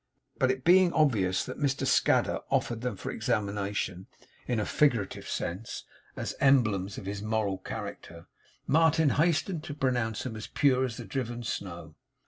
But it being obvious that Mr Scadder offered them for examination in a figurative sense, as emblems of his moral character, Martin hastened to pronounce them pure as the driven snow.